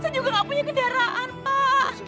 saya juga gak punya kendaraan pak